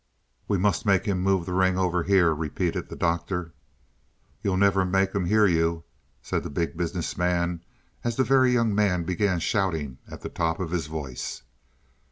"We must make him move the ring over here," repeated the Doctor. "You'll never make him hear you," said the Big Business Man, as the Very Young Man began shouting at the top of his voice.